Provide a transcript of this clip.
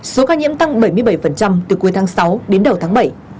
số ca nhiễm tăng bảy mươi bảy từ cuối tháng sáu đến đầu tháng bảy